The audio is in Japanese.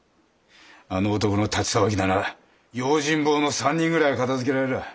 あの男の太刀さばきなら用心棒の３人ぐらいは片づけられらあ。